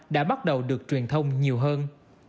đã bắt đầu được truyền thông nhiều hơn